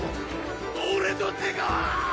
俺の手が！